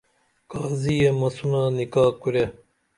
قاضی مسونہ نکاہ کُرے